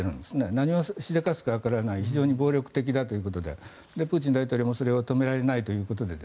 何をしでかすかわからない非常に暴力的だということでプーチン大統領もそれを止められないということで。